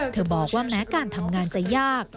บอกว่าแม้การทำงานจะยาก